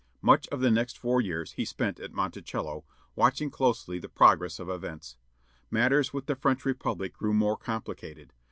Much of the next four years he spent at Monticello, watching closely the progress of events. Matters with the French republic grew more complicated.